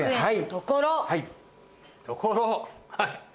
ところ！